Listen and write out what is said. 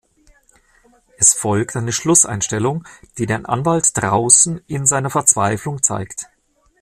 Es folgt eine Schlusseinstellung, die den Anwalt draußen in seiner Verzweiflung zeigt.